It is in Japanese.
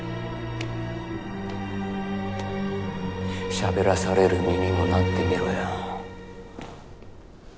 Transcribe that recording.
しゃべらされる身にもなってみろよ。